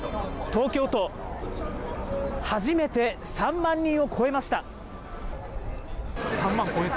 東京都、初めて３万人を超えました。